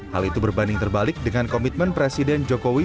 hal itu berbanding terbalik dengan komitmen presiden jokowi